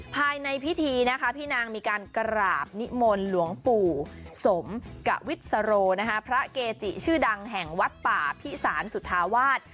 ภายในพิธีนะคะพี่นางมีการกราบนิมนต์หลวงปู่สมกวิศโรพระเกจิชื่อดังแห่งวัดป่าพิสารสุธาวาส